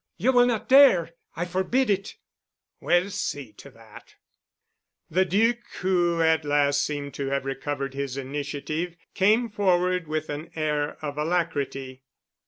You will not dare. I forbid it." "We'll see to that——" The Duc, who at last seemed to have recovered his initiative, came forward with an air of alacrity.